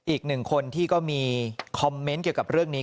อีกหนึ่งคนที่ก็มีคอมเมนต์เกี่ยวกับเรื่องนี้